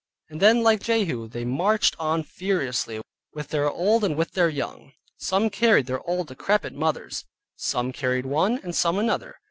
And then, like Jehu, they marched on furiously, with their old and with their young: some carried their old decrepit mothers, some carried one, and some another.